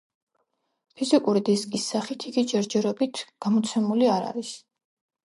ფიზიკური დისკის სახით იგი ჯერჯერობით გამოცემული არ არის.